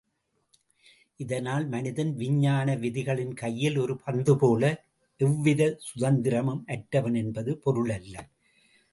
இதனால் மனிதன் விஞ்ஞான விதிகளின் கையில் ஒரு பந்து போல எவ்வித சுதந்திரமும் அற்றவன் என்பது பொருளல்ல.